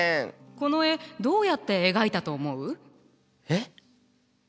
この絵どうやって描いたと思う？えっ！？